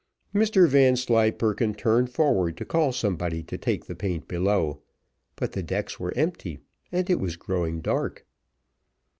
Mr Vanslyperken turned forward to call somebody to take the paint below, but the decks were empty, and it was growing dark.